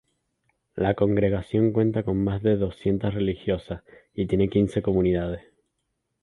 La congregación cuenta con más de doscientas religiosas y tiene quince comunidades.